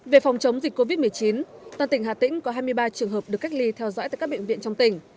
về phòng chống dịch covid một mươi chín toàn tỉnh hà tĩnh có hai mươi ba trường hợp được cách ly theo dõi tại các bệnh viện trong tỉnh